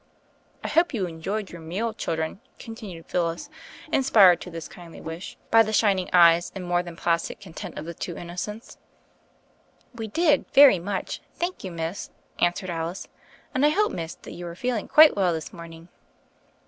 "I hope you enjoyed your meal, children,*' continued Phyllis, inspired to this kindly wish 34 THE FAIRY OF THE SNOWS by the shining eyes and more than placid con tent of the two innocents. "We did, very much, thank you, Miss," answered Alice; "and I hope, Miss, that you arc feeling quite well this morning?